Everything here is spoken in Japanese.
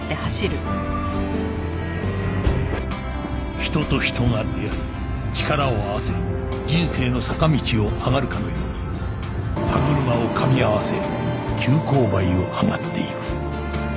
人と人が出会い力を合わせ人生の坂道を上がるかのように歯車を噛み合わせ急勾配を上がっていく